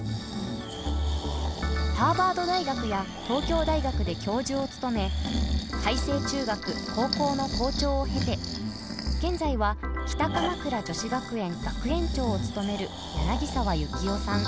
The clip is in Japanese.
ハーバード大学や東京大学で教授を務め開成中学・高校の校長を経て現在は北鎌倉女子学園学園長を務める柳沢幸雄さん。